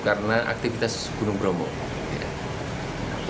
karena aktivitas gunung bromo